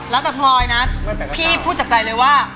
แล้วแต่พลอยนะพี่พูดจากใจเลยว่า